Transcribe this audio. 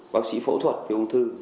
bác sĩ phẫu thuật về ung thư